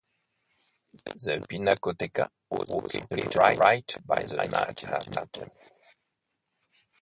The Pinacotheca was located right by the Nike Athena temple.